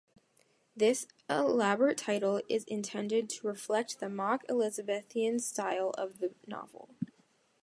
This elaborate title is intended to reflect the mock-Elizabethan style of the novel.